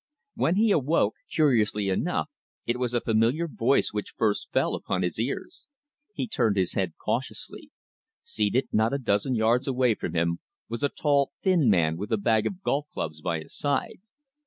When he awoke, curiously enough, it was a familiar voice which first fell upon his ears. He turned his head cautiously. Seated not a dozen yards away from him was a tall, thin man with a bag of golf clubs by his side.